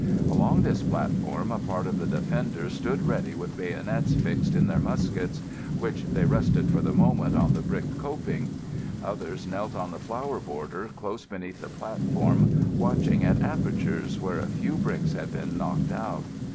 Along this platform a part of the defenders stood ready with bayonets fixed in their muskets, which they rested for the moment on the brick coping; others knelt on the flower border close beneath the platform watching at apertures where a few bricks had been knocked out.